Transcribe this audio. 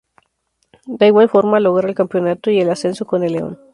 De igual forma, logra el Campeonato y el Ascenso con el León.